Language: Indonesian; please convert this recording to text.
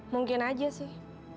mungkin aja sih